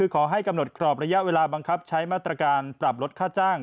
ขอให้กำหนดกรอบระยะเวลาบังคับใช้มาตรการปรับลดค่าจ้าง